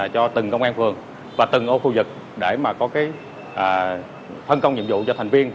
cho từng công an phường và từng ô khu vực để mà có phân công nhiệm vụ cho thành viên